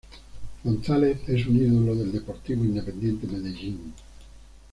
González es un ídolo del Deportivo Independiente Medellín.